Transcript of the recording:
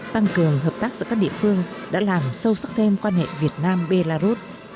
tăng cường hợp tác giữa các địa phương đã làm sâu sắc thêm quan hệ việt nam belarus